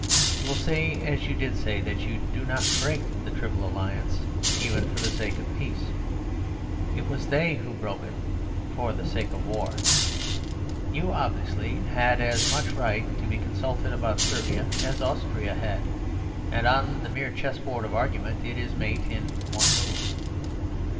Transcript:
You will say, as you did say, that you did not break the Triple Alliance, even for the sake of peace. It was they who broke it for the sake of war. You, obviously, had as much right to be consulted about Servia as Austria had; and on the mere chess board of argument it is mate in one move.